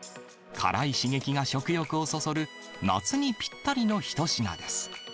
辛い刺激が食欲をそそる、夏にぴったりの一品です。